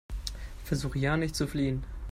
Versuche ja nicht zu fliehen!